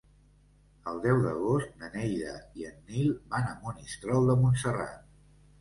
El deu d'agost na Neida i en Nil van a Monistrol de Montserrat.